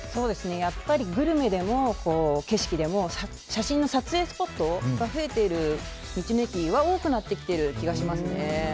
やっぱりグルメでも景色でも写真の撮影スポットが増えている道の駅が多くなってきている気がしますね。